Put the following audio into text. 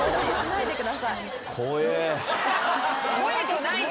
怖くないよ。